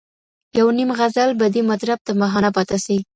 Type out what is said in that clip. یو نیم غزل به دي مطرب ته بهانه پاته سي